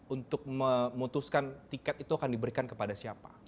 untuk memutuskan tiket itu akan diberikan kepada siapa